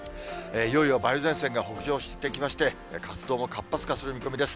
いよいよ梅雨前線が北上してきまして、活動も活発化する見込みです。